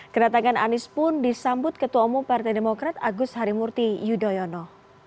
kedatangan anies pun disambut ketua umum partai demokrat agus harimurti yudhoyono